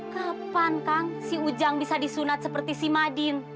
kapan kang si ujang bisa disunat seperti si madin